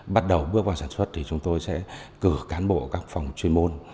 bắt đầu bước vào sản xuất thì chúng tôi sẽ cử cán bộ các phòng chuyên môn